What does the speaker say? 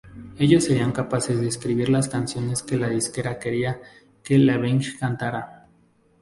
Ellos serían capaces de escribir las canciones que la disquera quería que Lavigne cantara.